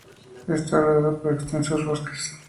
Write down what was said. Está rodeado por extensos bosques.